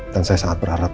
dan saya sangat berharap